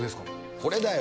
これだよ。